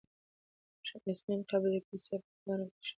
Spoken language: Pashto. شېخ اسماعیل قبر د کسي په غره کښي دﺉ.